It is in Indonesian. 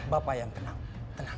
bapak yang tenang tenang